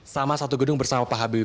sama satu gedung bersama pak habib